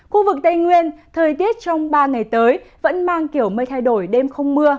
khu vực tây nguyên thời tiết trong ba ngày tới vẫn mang kiểu mây thay đổi đêm không mưa